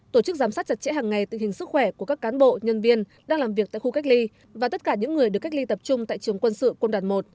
tổ chức giám sát chặt chẽ hàng ngày tình hình sức khỏe của các cán bộ nhân viên đang làm việc tại khu cách ly và tất cả những người được cách ly tập trung tại trường quân sự quân đoàn một